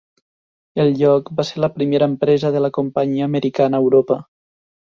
El lloc va ser la primera empresa de la companyia americana a Europa.